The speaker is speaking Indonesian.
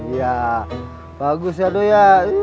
ya bagus ya do ya